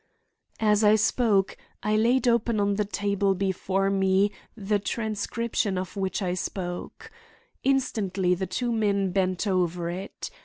As I spoke I laid open on the table before me the transcription of which I spoke. Instantly the two men bent over it.